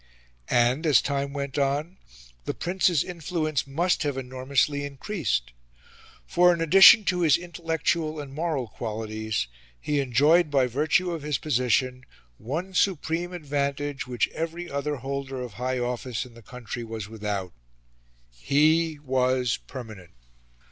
And, as time went on, the Prince's influence must have enormously increased. For, in addition to his intellectual and moral qualities, he enjoyed, by virtue of his position, one supreme advantage which every other holder of high office in the country was without: he was permanent.